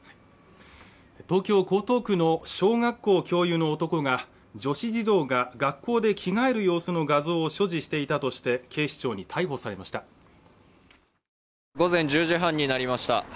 東京・江東区の小学校教諭の男が女子児童が学校で着替える様子の画像を所持していたとして警視庁に逮捕されました